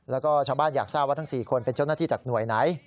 แล้วก็ชาวบ้านอยากทราบว่าทั้ง๔คนเป็นเจ้าหน้าที่จากหน่วยไหน